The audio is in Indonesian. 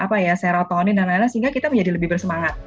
apa ya serotonin dan lain lain sehingga kita menjadi lebih bersemangat